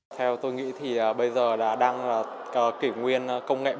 theo tôi nghĩ thì bây giờ là đang kỷ nguyên công nghệ bốn